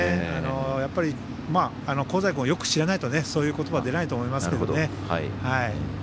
やっぱり香西君をよく知らないとそういうことばは出ないと思いますけどね。